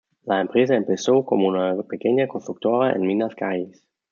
La empresa empezó como una pequeña constructora en Minas Gerais.